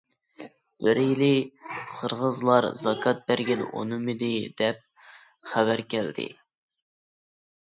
بىر يىلى، قىرغىزلار زاكات بەرگىلى ئۇنىمىدى، دەپ خەۋەر كەلدى.